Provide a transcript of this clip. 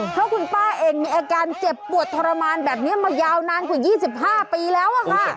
เพราะคุณป้าเองมีอาการเจ็บปวดทรมานแบบนี้มายาวนานกว่า๒๕ปีแล้วอะค่ะ